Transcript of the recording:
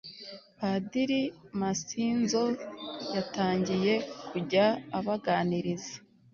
padiri masinzo yatangiye kujya abaganiriza